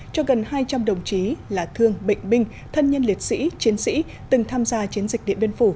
cho gần hai trăm linh đồng chí là thương bệnh binh thân nhân liệt sĩ chiến sĩ từng tham gia chiến dịch điện biên phủ